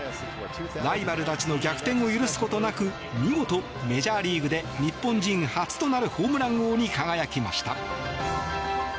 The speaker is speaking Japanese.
ライバルたちの逆転を許すことなく見事、メジャーリーグで日本人初となるホームラン王に輝きました。